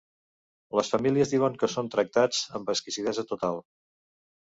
Les famílies diuen que són tractats amb exquisidesa total.